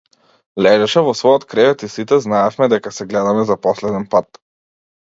Лежеше во својот кревет и сите знаевме дека се гледаме за последен пат.